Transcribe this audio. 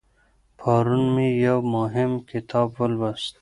پرون مې یو مهم کتاب ولوست.